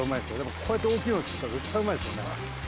こうやって大きいので作ったら絶対うまいですよね。